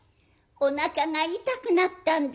おなかが痛くなったんです」。